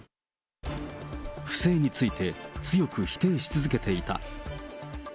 不正について、強く否定し続けていた。